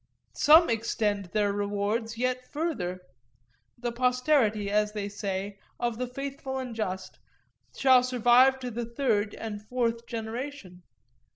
Some extend their rewards yet further; the posterity, as they say, of the faithful and just shall survive to the third and fourth generation.